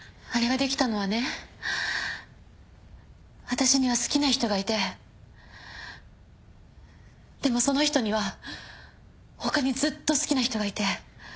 私には好きな人がいてでもその人には他にずっと好きな人がいて。